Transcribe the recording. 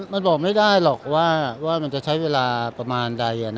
มันบอกไม่ได้หรอกว่ามันจะใช้เวลาประมาณใด